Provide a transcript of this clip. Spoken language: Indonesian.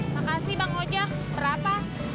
makasih bang ojak berapa